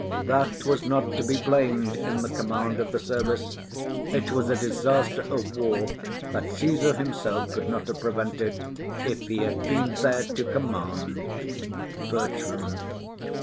That was not to be blam'd in the command of the service; it was a disaster of war that Caesar himself could not have prevented, if he had been there to command. BERTRAM.